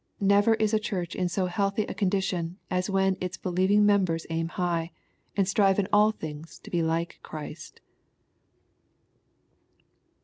Never is a Church in so healthy a condition as when its believing members aim high, and strive in all things to be like Christ.